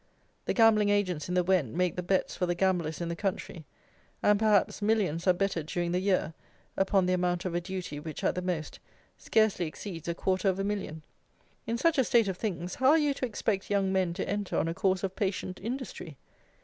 The gambling agents in the Wen make the bets for the gamblers in the country; and, perhaps, millions are betted during the year, upon the amount of a duty, which, at the most, scarcely exceeds a quarter of a million. In such a state of things how are you to expect young men to enter on a course of patient industry?